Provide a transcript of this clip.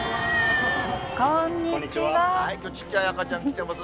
きょう、ちっちゃい赤ちゃん来てます。